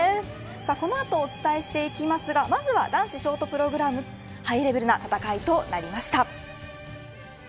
この後お伝えしていきますがまずは男子ショートプログラムハイレベルな戦いとなりました。